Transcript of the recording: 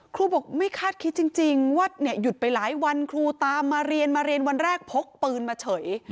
ครูบอกไม่คาดคิดจริงว่าหยุดไปหลายวันครูตามมาเรียนมาเรียนวันแรกพกปืนมาเฉย